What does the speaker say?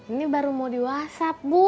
ini baru mau di whatsapp bu